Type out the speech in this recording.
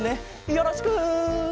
よろしく。